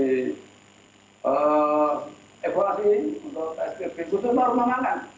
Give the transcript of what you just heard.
itu cuma rumah makan